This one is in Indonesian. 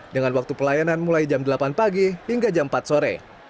dengan waktu pelayanan mulai jam delapan pagi hingga jam empat sore